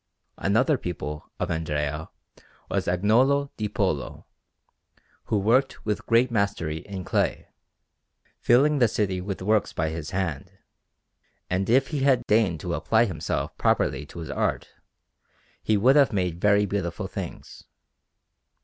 Another pupil of Andrea was Agnolo di Polo, who worked with great mastery in clay, filling the city with works by his hand; and if he had deigned to apply himself properly to his art, he would have made very beautiful things.